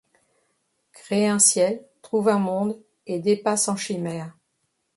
Crée un ciel, trouve un monde, et dépasse en chimère